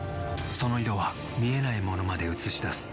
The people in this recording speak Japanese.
その色は見えないものまで映し出す。